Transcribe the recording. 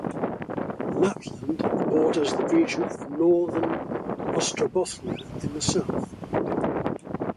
Lapland borders the region of Northern Ostrobothnia in the south.